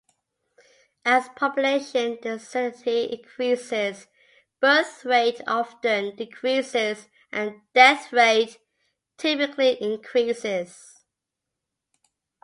As population density increases, birth rate often decreases and death rate typically increases.